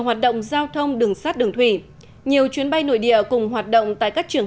hoạt động giao thông đường sắt đường thủy nhiều chuyến bay nội địa cùng hoạt động tại các trường